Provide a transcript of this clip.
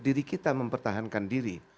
diri kita mempertahankan diri